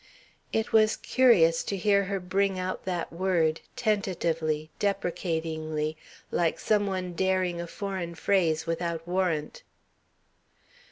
It was curious to hear her bring out that word tentatively, deprecatingly, like some one daring a foreign phrase without warrant.